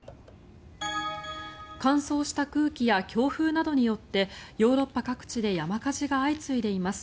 乾燥した空気や強風などによってヨーロッパ各地で山火事が相次いでいます。